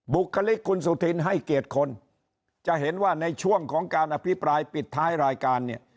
บุคลิกคุณสุธินให้เกียรติคนจะเห็นว่าในช่วงของการอภิปรายปิดท้ายรายการเนี่ย